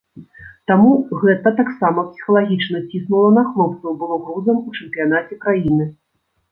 Таму гэта таксама псіхалагічна ціснула на хлопцаў, было грузам у чэмпіянаце краіны.